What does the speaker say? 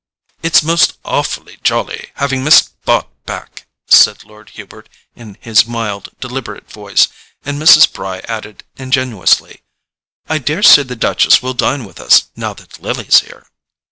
"It's most awfully jolly having Miss Bart back," said Lord Hubert, in his mild deliberate voice; and Mrs. Bry added ingenuously: "I daresay the Duchess will dine with us, now that Lily's here."